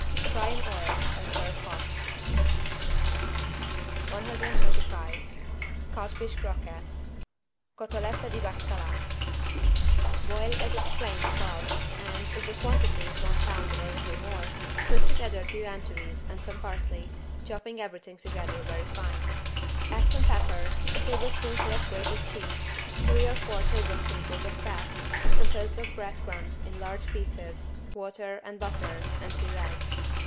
Fry in oil and serve hot. 125 CODFISH CROQUETTES (Cotolette di baccalá) Boil as explained above and, if the quantity is one pound or a little more put together two anchovies and some parsley, chopping everything together very fine. Add some pepper, a tablespoonful of grated cheese, three or four tablespoonfuls of pap, composed of bread crumbs in large pieces, water and butter, and two eggs.